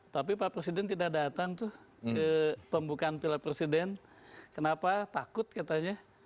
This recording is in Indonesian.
tapi pak presiden tidak datang tuh ke pembukaan piala presiden kenapa takut katanya